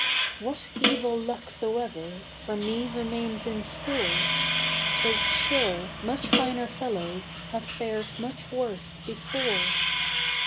What evil luck soever For me remains in store, 'Tis sure much finer fellows Have fared much worse before.